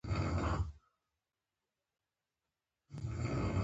چین د نړۍ د تر ټولو زیات نفوس لرونکي هېواد په توګه پېژندل کېږي.